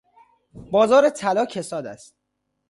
بازار طلا کساد است.